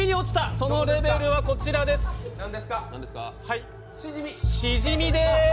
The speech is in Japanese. そのレベルはシジミです。